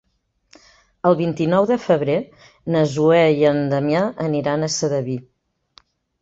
El vint-i-nou de febrer na Zoè i en Damià aniran a Sedaví.